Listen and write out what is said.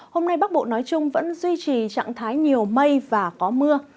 hôm nay bắc bộ nói chung vẫn duy trì trạng thái nhiều mây và có mưa